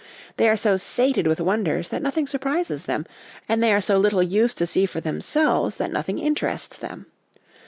They are so sated with wonders, that nothing surprises them ; and they are so little used to see for themselves, that nothing interests them.